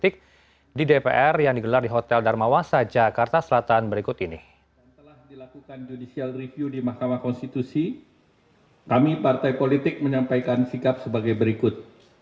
kami partai politik menyampaikan sikap sebagai berikut